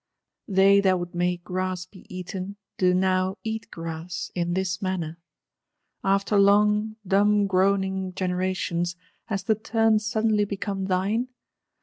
They that would make grass be eaten do now eat grass, in this manner? After long dumb groaning generations, has the turn suddenly become thine?